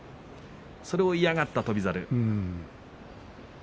それを嫌がった翔猿。